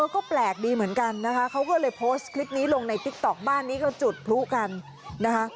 ก็แปลกดีเหมือนกันนะคะเขาก็เลยโพสต์คลิปนี้ลงในติ๊กต๊อกบ้านนี้ก็จุดพลุกันนะคะ